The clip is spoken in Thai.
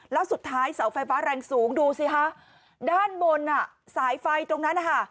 แล้วสุดท้ายเสาไฟฟ้าแรงสูงดูสิคะด้านบนอ่ะสายไฟตรงนั้นนะคะ